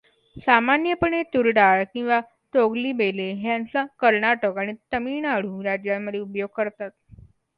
सामान्यपणे तूर डाळ किंवा तोगरि बेले ह्यांचा कर्नाटक आणि तमिळ नाडू राज्यांमध्ये उपयोग करतात.